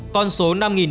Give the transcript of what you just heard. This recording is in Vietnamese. con số năm năm trăm linh